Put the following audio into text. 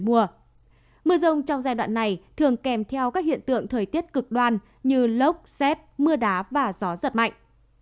mưa rông trong giai đoạn này thường kèm theo các hiện tượng thời tiết cực đoan như lốc xét mưa đá và gió giật mạnh